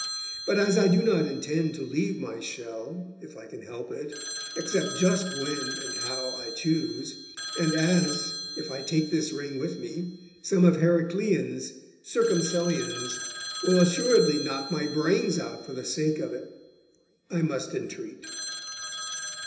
But as I do not intend to leave my shell, if I can help it, except just when and how I choose, and as, if I take this ring with me, some of Heraclian's Circumcellions will assuredly knock my brains out for the sake of it I must entreat.